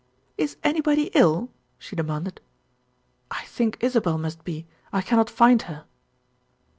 "Is anybody ill?" she demanded. "I think Isabel must be, I cannot find her."